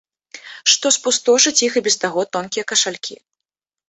Што спустошыць іх і без таго тонкія кашалькі.